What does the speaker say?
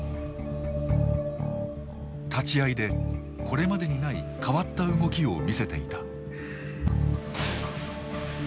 立ち合いでこれまでにない変わった動きを見せていた。